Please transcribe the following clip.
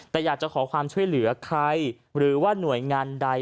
แต่อยากจะขอความช่วยเหลือใครหรือว่าหน่วยงานใด